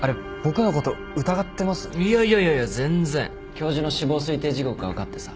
教授の死亡推定時刻が分かってさ。